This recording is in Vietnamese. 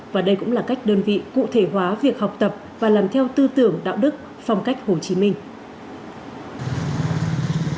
và đây cũng là cách đơn vị cụ thể hóa việc học tập và làm theo tư tưởng đạo đức phong cách hồ chí minh